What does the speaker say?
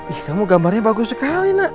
ih kamu gambarnya bagus sekali nak